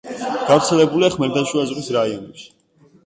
გავრცელებულია ხმელთაშუა ზღვის რაიონებში.